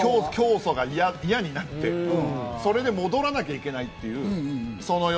教祖が嫌になって、それで戻らなきゃいけないっていう。